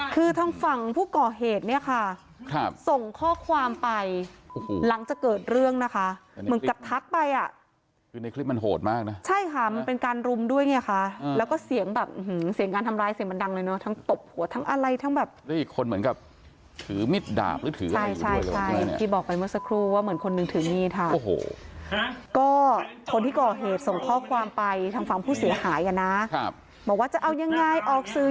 คือทั้งฝั่งผู้ก่อเหตุเนี่ยค่ะครับส่งข้อความไปหลังจะเกิดเรื่องนะคะเหมือนกับทักไปอ่ะคือในคลิปมันโหดมากน่ะใช่ค่ะมันเป็นการรุมด้วยเนี่ยค่ะแล้วก็เสียงแบบอื้อหือเสียงการทำร้ายเสียงมันดังเลยเนอะทั้งตบหัวทั้งอะไรทั้งแบบแล้วอีกคนเหมือนกับถือมิดดาบหรือถืออะไรอยู่ด้วยใช่ใช่ใช่พี่บอกไปเมื่